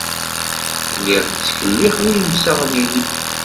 Telliḍ tettkellixeḍ imsaɣen-nnek.